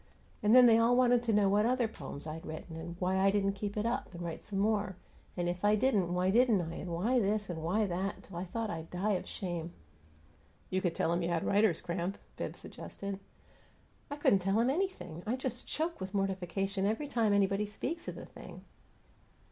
And then they all wanted to know what other poems I'd written and why I didn't keep it up and write some more, and if I didn't, why didn't I, and why this and why that, till I thought I'd die of shame!" "You could tell 'em you had writer's cramp," Bibbs suggested. "I couldn't tell 'em anything! I just choke with mortification every time anybody speaks of the thing."